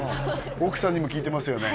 奥さんにも聞いてますよね